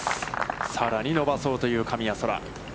さらに伸ばそうという神谷そら。